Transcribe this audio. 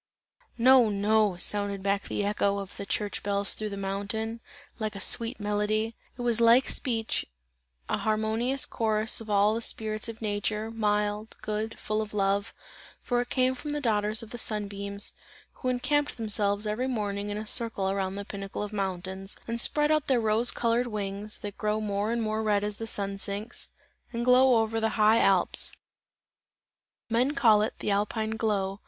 "No, no!" sounded back the echo of the church bells through the mountain, like a sweet melody; it was like speech, an harmonious chorus of all the spirits of nature, mild, good, full of love, for it came from the daughters of the sun beams, who encamped themselves every evening in a circle around the pinnacles of the mountains, and spread out their rose coloured wings, that grow more and more red as the sun sinks, and glow over the high Alps; men call it, "the Alpine glow."